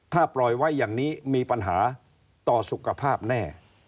ถ้าปล่อยไว้อย่างนี้มีปัญหาต่อสุขภาพแน่